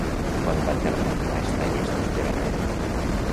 Quant van tardar a estar llestos per anar-hi?